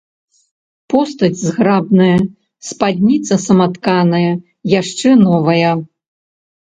Постаць зграбная, спадніца саматканая, яшчэ новая.